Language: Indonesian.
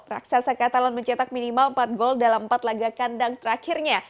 raksasa katalan mencetak minimal empat gol dalam empat laga kandang terakhirnya